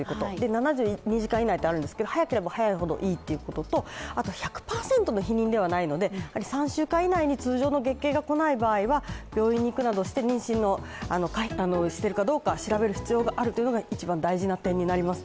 ７２時間以内とあるんですけど早ければ早いほどいいというのとあと１００％の避妊ではないので、３週間以内に通常の月経が来ない場合は病院に行くなどして妊娠しているかどうか調べる必要があるというのが一番大事な点になります。